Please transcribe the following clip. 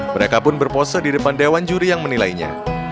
mereka pun berpose di depan dewan juri yang menilainya